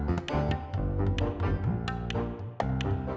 ini sudah minggu aa mungkin